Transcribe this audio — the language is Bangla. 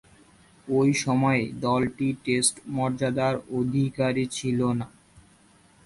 ঐ সময়ে দলটি টেস্ট মর্যাদার অধিকারী ছিল না।